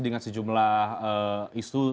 dengan sejumlah isu